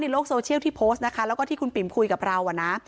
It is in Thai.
โลกโซเชียลที่โพสต์นะคะแล้วก็ที่คุณปิ๋มคุยกับเราอ่ะนะ